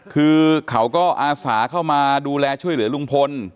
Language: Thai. คือเขาก็อาสาเข้ามาดูแลช่วยเหลือลุงพล